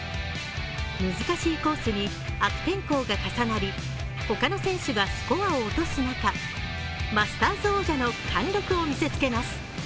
難しいコースに悪天候が重なり、他の選手がスコアを落とす中、マスターズ王者の貫禄を見せつけます。